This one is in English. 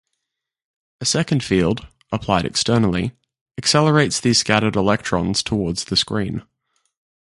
A second field, applied externally, accelerates these scattered electrons towards the screen.